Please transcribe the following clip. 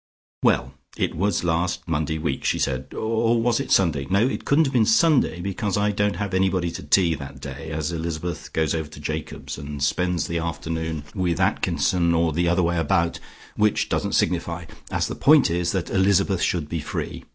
"Well, it was last Monday week" she said "or was it Sunday? No it couldn't have been Sunday because I don't have anybody to tea that day, as Elizabeth goes over to Jacob's and spends the afternoon with Atkinson, or the other way about, which doesn't signify, as the point is that Elizabeth should be free.